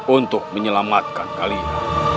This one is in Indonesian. untuk menyelamatkan kalian